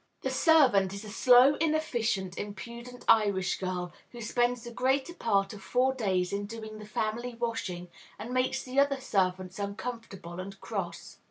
The servant is a slow, inefficient, impudent Irish girl, who spends the greater part of four days in doing the family washing, and makes the other servants uncomfortable and cross.